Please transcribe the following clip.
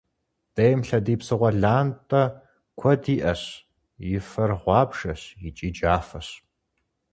Дейм лъэдий псыгъуэ лантӏэ куэд иӏэщ, и фэр гъуабжэщ икӏи джафэщ.